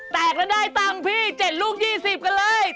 แตกแล้วได้ตังค์พี่๗ลูก๒๐กันเลย